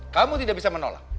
kamu tidak bisa menolak